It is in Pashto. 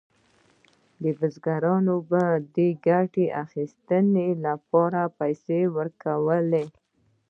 بزګرانو به د ګټې اخیستنې لپاره پیسې ورکولې.